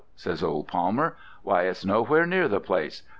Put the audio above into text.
says old Palmer, 'why it's nowhere near the place.